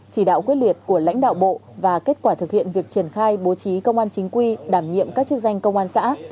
chỉ đạo quyết liệt của lãnh đạo bộ và kết quả thực hiện việc triển khai bố trí công an chính quy đảm nhiệm các chức danh công an xã